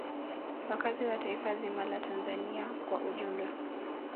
Wakazi wa taifa zima la Tanzania kwa ujumla